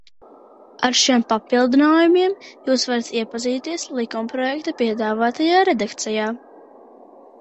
Ar šiem papildinājumiem jūs varat iepazīties likumprojekta piedāvātajā redakcijā.